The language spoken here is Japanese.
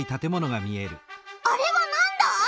あれはなんだ？